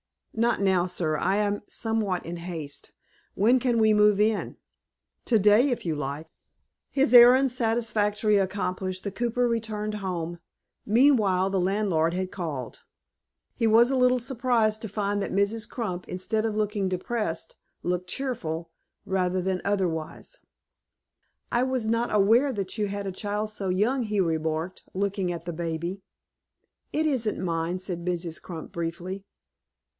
"Not now, sir; I am somewhat in haste. When can we move in?" "To day, if you like." His errand satisfactorily accomplished, the cooper returned home. Meanwhile the landlord had called. He was a little surprised to find that Mrs. Crump, instead of looking depressed, looked cheerful, rather than otherwise. "I was not aware you had a child so young," he remarked, looking at the baby. "It isn't mine," said Mrs. Crump, briefly.